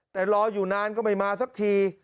แต่รออยู่นานก็ไม่มาสักที